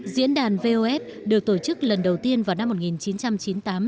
diễn đàn vof được tổ chức lần đầu tiên vào năm một nghìn chín trăm chín mươi tám